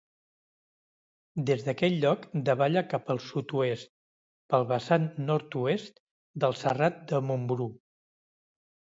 Des d'aquell lloc davalla cap al sud-oest, pel vessant nord-oest del Serrat de Montbrú.